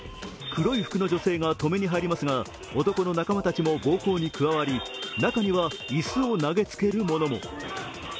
黒い服の女性が止めに入りますが、男の仲間たちも暴行に加わり、中には、椅子を投げつけるものも。